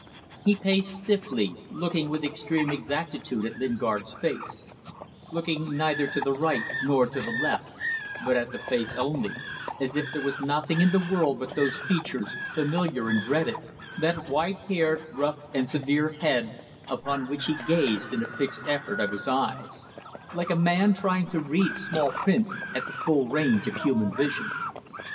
He paced stiffly, looking with extreme exactitude at Lingard's face; looking neither to the right nor to the left but at the face only, as if there was nothing in the world but those features familiar and dreaded; that white haired, rough and severe head upon which he gazed in a fixed effort of his eyes, like a man trying to read small print at the full range of human vision.